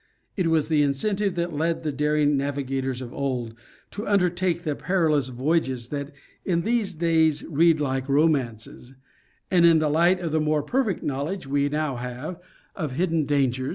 It was the incentive that led the daring navigators of old to undertake the perilous voy ages that in these days read like romances ; and in the light of the more perfect knowledge we now have of the hidden dangers.